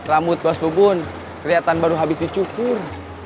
rambut bos bubun kelihatan baru habis dicukur